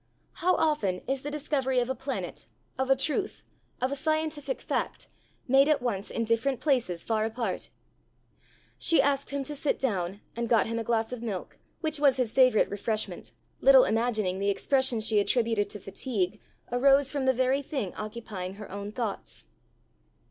How often is the discovery of a planet, of a truth, of a scientific fact, made at once in different places far apart! She asked him to sit down, and got him a glass of milk, which was his favourite refreshment, little imagining the expression she attributed to fatigue arose from the very thing occupying her own thoughts.